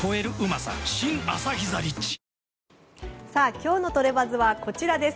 今日のトレバズはこちらです。